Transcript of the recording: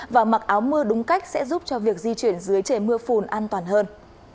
và mặc áo mưa đúng cách sẽ giúp cho việc di chuyển dưới trời mưa phùn an toàn hơn